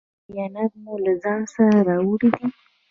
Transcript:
ایا معاینات مو له ځان سره راوړي دي؟